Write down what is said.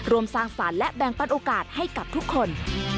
สร้างสรรค์และแบ่งปันโอกาสให้กับทุกคน